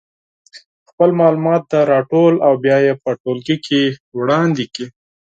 خپل معلومات دې راټول او بیا یې په ټولګي کې وړاندې کړي.